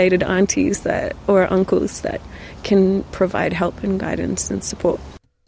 atau anak anak yang dapat memberikan bantuan dan bantuan